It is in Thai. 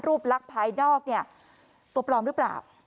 ลักษณภายนอกเนี่ยตัวปลอมหรือเปล่า